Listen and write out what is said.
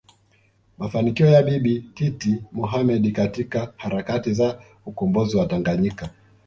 mafanikio ya Bibi Titi Mohamed katika harakati za ukombozi wa Tanganyika